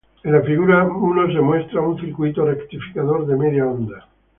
En la figura I. se muestra un circuito rectificador de media onda.